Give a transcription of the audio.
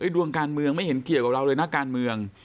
ดวงการเมืองไม่เห็นเกี่ยวกับเราเลยนักการเมือง